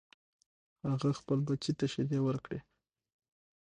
هغې خپل بچی ته شیدې ورکړې